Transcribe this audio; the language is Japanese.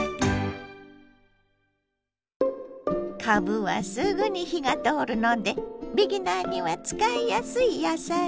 かぶはすぐに火が通るのでビギナーには使いやすい野菜。